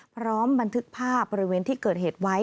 บันทึกภาพบริเวณที่เกิดเหตุไว้